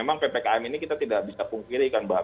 memang ppkm ini kita tidak bisa pungkiri kan mbak